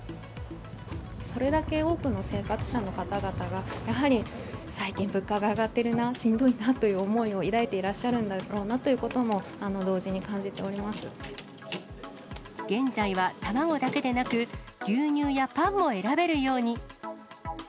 それだけ多くの生活者の方々が、やはり最近、物価が上がってるな、しんどいなという思いを抱いていらっしゃるんだろうなということ現在は卵だけでなく、牛乳やパンも選べるように。